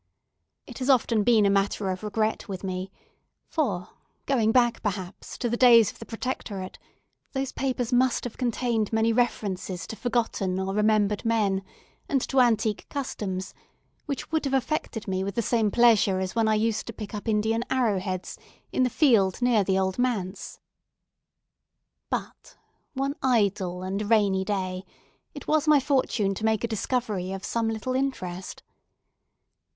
It has often been a matter of regret with me; for, going back, perhaps, to the days of the Protectorate, those papers must have contained many references to forgotten or remembered men, and to antique customs, which would have affected me with the same pleasure as when I used to pick up Indian arrow heads in the field near the Old Manse. But, one idle and rainy day, it was my fortune to make a discovery of some little interest.